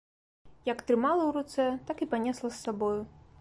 Як трымала ў руцэ, так і панесла з сабою.